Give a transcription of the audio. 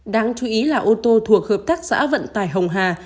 đáng chú ý là ô tô thuộc hợp tác xã vận tải hồng hà